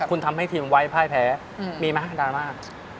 คุณทำให้ทีมไว้พ่ายแพ้มีไหมฮะดราม่า